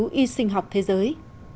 nghiên cứu y sinh học thế giới